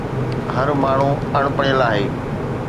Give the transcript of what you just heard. هر ماڻهو اڻ پڙهيل آهي